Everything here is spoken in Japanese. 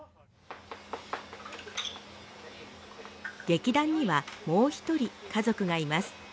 劇団にはもう一人家族がいます。